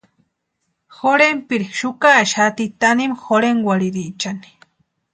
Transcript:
Jorhenpiri xukaaxati tanimu jorhenkwarhiriechani.